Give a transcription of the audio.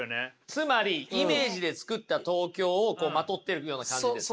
つまりイメージで作った東京をこうまとってるような感じ。